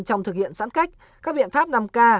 trong thực hiện giãn cách các biện pháp năm k